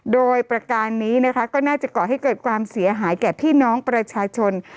โดยประการนี้นะคะก็น่าจะก่อให้เกิดความเสียหายแก่พี่น้องประชาชน